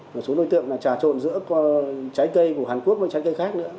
một số đối tượng trà trộn giữa trái cây của hàn quốc với trái cây khác nữa